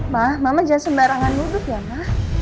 ma mama jangan sembarangan duduk ya ma